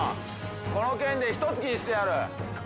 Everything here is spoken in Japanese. この剣でひと突きにしてやる。